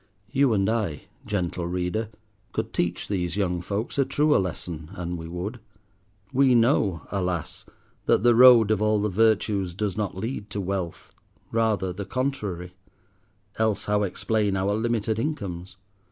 You and I, gentle Reader, could teach these young folks a truer lesson, an we would. We know, alas! that the road of all the virtues does not lead to wealth, rather the contrary; else how explain our limited incomes?